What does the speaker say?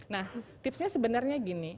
nah tipsnya sebenarnya gini